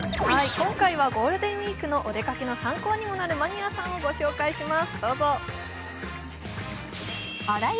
今回はゴールデンウイークのお出かけにも参考になるマニアさんをご紹介します。